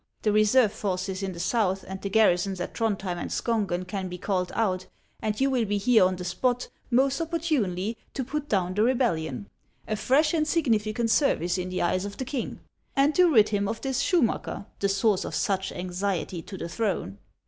The reserve forces in the South and the gar risons at Throndhjem and Skongen can be called out, and you will be here on the spot most opportunely to put down the rebellion, — a fresh and significant ser vice in the eyes of the king, — and to rid him of this Schumacker, the source of such anxiety to the throne.